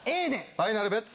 ファイナルベッツ？